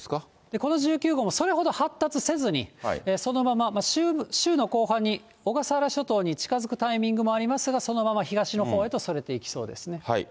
この１９号もそれほど発達せずに、そのまま週の後半に小笠原諸島に近づくタイミングもありますが、そのまま東のほうへとそれていきそうですね。